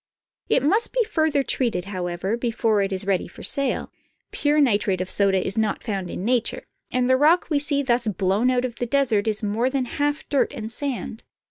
It must be further treated, however, before it is ready for sale. Pure nitrate of soda is not found in nature, and the rock we see thus blown out of the desert is more than half dirt and sand.